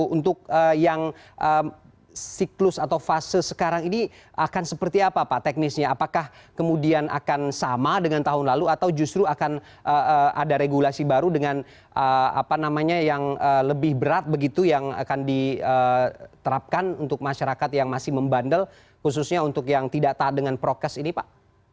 untuk yang siklus atau fase sekarang ini akan seperti apa pak teknisnya apakah kemudian akan sama dengan tahun lalu atau justru akan ada regulasi baru dengan apa namanya yang lebih berat begitu yang akan diterapkan untuk masyarakat yang masih membandel khususnya untuk yang tidak tak dengan prokes ini pak